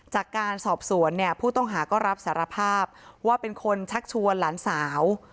จากการสอบสวนเนี่ยผู้ต้องหาก็รับสารภาพว่าเป็นคนชักชวนหลานสาว